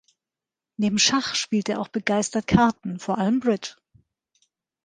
Neben Schach spielte er auch begeistert Karten, vor allem Bridge.